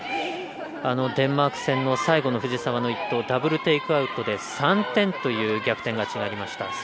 デンマーク戦の最後の藤澤の１投ダブル・テイクアウトで３点という逆転勝ちがありました。